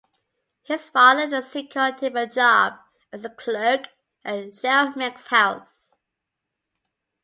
His father then secured him a job as a clerk at Shell Mex House.